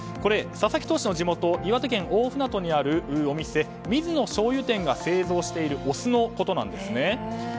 佐々木投手の地元岩手大船渡にある水野醤油店が製造しているお酢のことなんですね。